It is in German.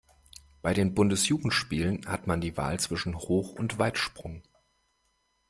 Bei den Bundesjugendspielen hat man die Wahl zwischen Hoch- und Weitsprung.